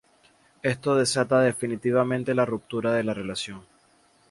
Esto desata definitivamente la ruptura de la relación.